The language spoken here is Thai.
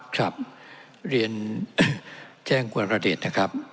ครับเรียนแจ้งวรเดชนะครับ